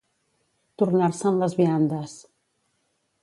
Tornar-se'n les viandes.